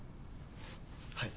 はい。